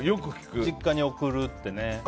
実家に送るってね。